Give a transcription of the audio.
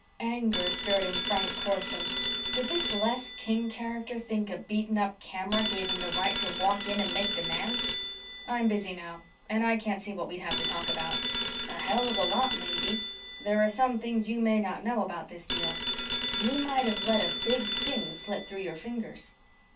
Anger stirred in Frank Corson. Did this Les King character think a beaten up camera gave him the right to walk in and make demands. "I'm busy now. And I can't see what we'd have to talk about." "A hell of a lot, maybe. There are some things you may not know about this deal. You might have let a big thing slip through your fingers."